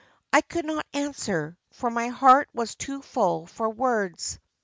I could not answer, for my heart was too full for words.